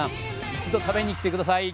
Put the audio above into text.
一度食べに来て下さい！